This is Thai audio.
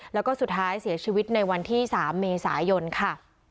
แล้วก็สุดท้ายเสียชีวิตในวันที่๓เมษายนค่ะ